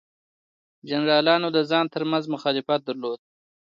جنرالانو د ځان ترمنځ مخالفت درلود.